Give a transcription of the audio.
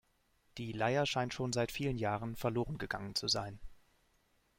Die Leier scheint schon seit vielen Jahren verlorengegangen zu sein.